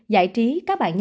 giải trí các bạn nha